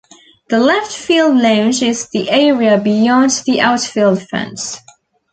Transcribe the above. The Left Field Lounge is the area beyond the outfield fence.